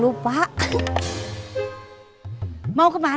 nah pasar nih wicked knapas